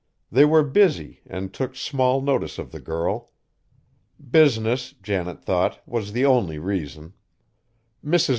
They were busy and took small notice of the girl. Business, Janet thought, was the only reason. Mrs.